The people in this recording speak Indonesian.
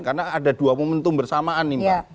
karena ada dua momentum bersamaan nih pak